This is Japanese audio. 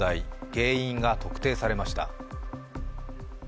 原因が特定されました。